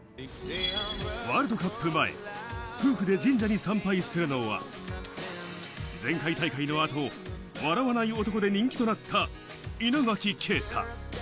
ワールドカップ前、夫婦で神社に参拝するのは、前回大会の後、笑わない男で人気となった、稲垣啓太。